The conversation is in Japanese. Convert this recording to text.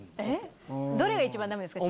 どれが一番ダメですか？